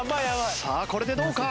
さあこれでどうか？